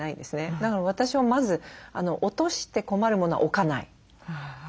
だから私はまず落として困るものは置かない。